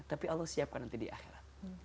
tapi allah siapkan nanti di akhirat